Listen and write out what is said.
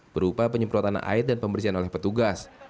berupa penyemprotan air dan pembersihan oleh petugas